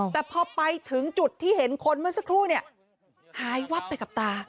แต่พอไปถึงจุดที่เห็นคนเมื่อสักครู่เนี่ยหายวับไปกับตา